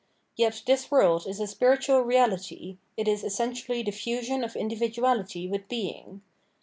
Yet this world is a spiritual reahty, it is essentially the fusion of individuahty with being.